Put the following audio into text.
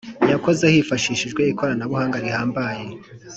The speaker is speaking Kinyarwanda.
yakozwe hifashishijwe ikoranabuhanga rihambaye